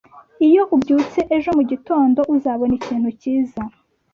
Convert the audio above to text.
Iyo ubyutse ejo mugitondo, uzabona ikintu cyiza